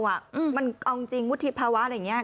มันเอาจริงวุฒิภาวะอะไรอย่างนี้